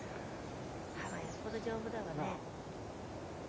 歯がよっぽど丈夫だわね。なあ。